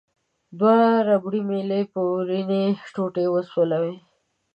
دوه ربړي میلې په وړینې ټوټې وسولوئ.